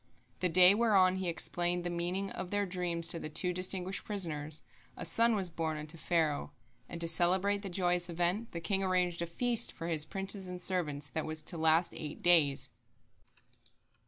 The day whereon he explained the meaning of their dreams to the two distinguished prisoners, a son was born unto Pharaoh and to celebrate the joyous event, the king arranged a feast for his princes and servants that was to last eight days.